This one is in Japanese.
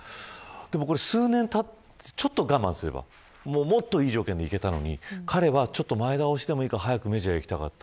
でも数年、ちょっと我慢すればもっといい条件でいけたのに彼は前倒ししてもいいから早くメジャーに行きたかった。